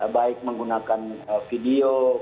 baik menggunakan video